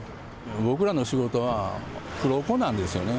僕らの仕事は、黒子なんですよね。